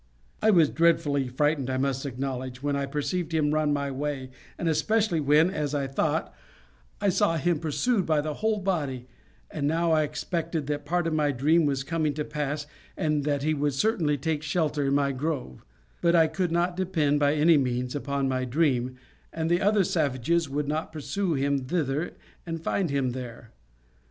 I was dreadfully frightened, I must acknowledge, when I perceived him run my way, and especially when, as I thought, I saw him pursued by the whole body; and now I expected that part of my dream was coming to pass, and that he would certainly take shelter in my grove; but I could not depend, by any means, upon my dream that the other savages would not pursue him thither and find him there.